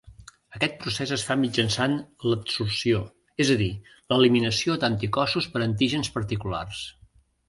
Aquest procés es fa mitjançant l'adsorció, és a dir, l'eliminació d'anticossos per antígens particulars.